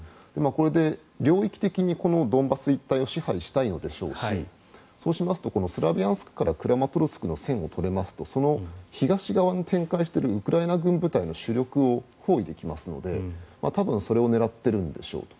これで領域的にはドンバス一帯を支配したいのだと思いますしそうしますとスロビャンスクからクラマトルシクの線を取れますとその東側に展開しているウクライナ軍部隊の主力を包囲できますので多分、それを狙っているんでしょうと。